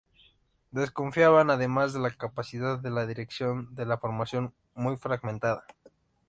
Desconfiaban además de la capacidad de la dirección de la formación, muy fragmentada.